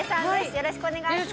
よろしくお願いします